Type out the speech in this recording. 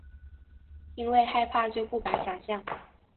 因为害怕就不敢想像